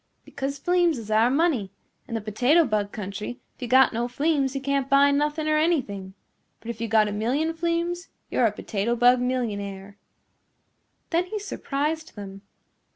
"Because fleems is our money. In the Potato Bug Country, if you got no fleems you can't buy nothing nor anything. But if you got a million fleems you're a Potato Bug millionaire." Then he surprised them.